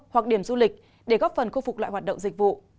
hoặc điểm du lịch để góp phần khôi phục lại hoạt động dịch vụ